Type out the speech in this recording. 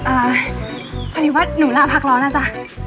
อ่าพริวัตรหนูลาพักรอนนะจ๊ะ